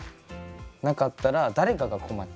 なかったら誰かが困っちゃう。